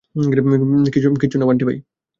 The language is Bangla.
কিচ্ছু না, বান্টি ভাই।